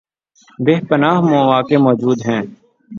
بے پناہ مواقع موجود ہیں